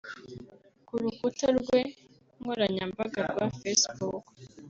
Ku rukuta rwe nkoranyambaga rwa facebook